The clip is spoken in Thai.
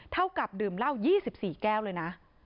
เท่ากับดื่มเหล้า๒๔แก้วเลยนะ